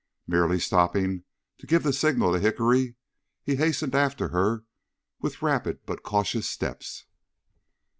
Merely stopping to give the signal to Hickory, he hastened after her with rapid but cautious steps.